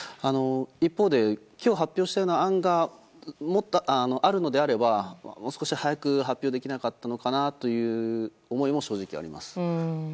一方で今日発表したような案があるのであればもう少し早く発表できなかったのかという思いも正直あります。